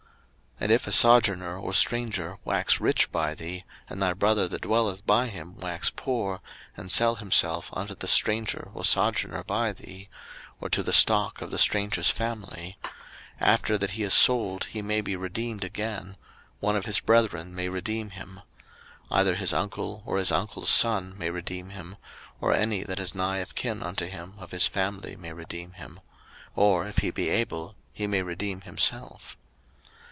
03:025:047 And if a sojourner or stranger wax rich by thee, and thy brother that dwelleth by him wax poor, and sell himself unto the stranger or sojourner by thee, or to the stock of the stranger's family: 03:025:048 After that he is sold he may be redeemed again; one of his brethren may redeem him: 03:025:049 Either his uncle, or his uncle's son, may redeem him, or any that is nigh of kin unto him of his family may redeem him; or if he be able, he may redeem himself.